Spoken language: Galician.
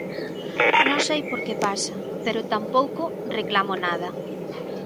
Non sei por que pasa, pero tampouco reclamo nada.